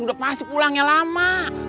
udah pasti pulangnya lama